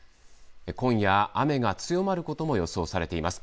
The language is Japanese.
今夜、雨が強まることも予想されています。